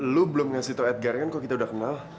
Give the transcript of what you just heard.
lu belum ngasih tau adgare kan kok kita udah kenal